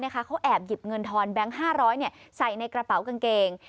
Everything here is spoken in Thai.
เขาแอบหยิบเงินทอนแบงค์๕๐๐ใส่ในกระเป๋ากางเกง